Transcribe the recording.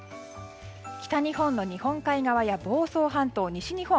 北日本の日本海側や房総半島、西日本。